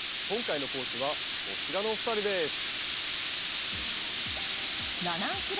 今回の講師はこちらのお二人です。